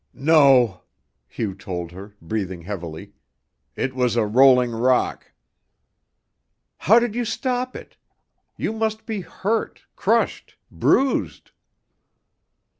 "No," Hugh told her, breathing heavily. "It was a rolling rock." "How did you stop it? You must be hurt, crushed, bruised."